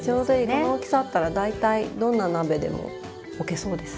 この大きさあったら大体どんな鍋でも置けそうです。